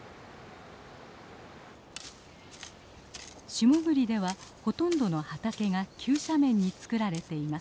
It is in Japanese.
下栗ではほとんどの畑が急斜面に作られています。